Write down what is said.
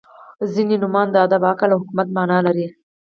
• ځینې نومونه د ادب، عقل او حکمت معنا لري.